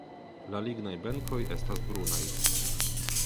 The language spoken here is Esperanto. La lignaj benkoj estas brunaj.